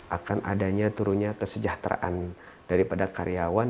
akan adanya turunnya kesejahteraan daripada karyawan